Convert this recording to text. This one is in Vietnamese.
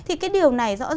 thì cái điều này rõ ràng